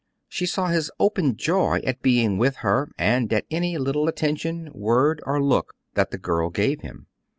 She saw his open joy at being with her, and at any little attention, word, or look that the girl gave him.